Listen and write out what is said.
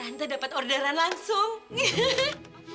tante dapat orderan langsung